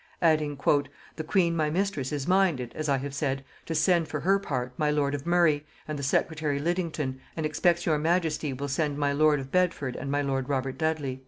Adding, "the queen my mistress is minded, as I have said, to send for her part my lord of Murray, and the secretary Lidingtoun, and expects your majesty will send my lord of Bedford and my lord Robert Dudley."